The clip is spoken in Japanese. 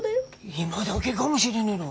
今だけかもしれねろ。